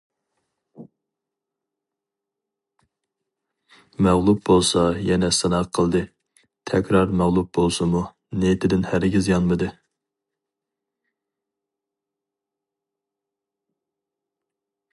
مەغلۇپ بولسا يەنە سىناق قىلدى، تەكرار مەغلۇپ بولسىمۇ، نىيىتىدىن ھەرگىز يانمىدى.